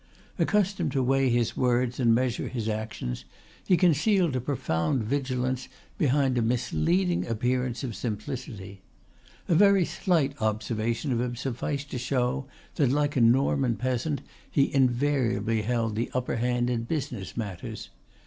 Accustomed to weigh his words and measure his actions, he concealed a profound vigilance behind a misleading appearance of simplicity. A very slight observation of him sufficed to show that, like a Norman peasant, he invariably held the upper hand in business matters.